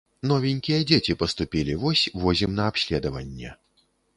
Новенькія дзеці паступілі, вось, возім на абследаванне.